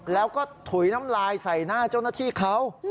แล้วก็ถุยน้ำลายใส่หน้าเจ้าหน้าที่เขา